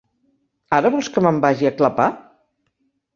Ara vols que me'n vagi a clapar?